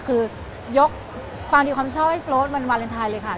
คือยกความดีความเศร้าให้โปรดวันวาเลนไทยเลยค่ะ